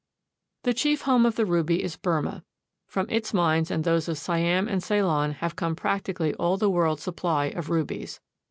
The chief home of the ruby is Burmah. From its mines and those of Siam and Ceylon have come practically all the world's supply of rubies.